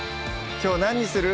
きょう何にする？